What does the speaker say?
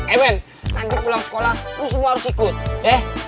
ewen nanti pulang sekolah lo semua harus ikut eh